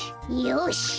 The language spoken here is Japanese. よし！